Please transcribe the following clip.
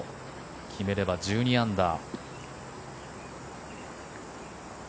決めれば１２アンダー。